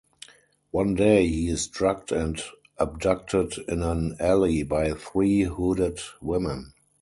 One day he is drugged and abducted in an alley by three hooded women.